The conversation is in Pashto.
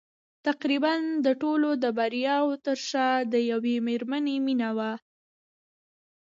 تقريباً د ټولو د برياوو تر شا د يوې مېرمنې مينه وه.